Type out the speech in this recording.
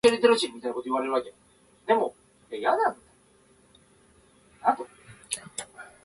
街の喧騒から離れ、静かな公園で一人の時間を楽しむのもいいものだ。ベンチに座り、本を読むか、ただ空を眺めながら深呼吸することで、日常のストレスがほどけていく。